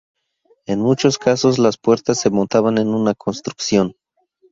En muchos casos, las puertas se montaban en una construcción.